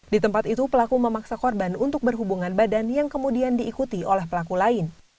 di tempat itu pelaku memaksa korban untuk berhubungan badan yang kemudian diikuti oleh pelaku lain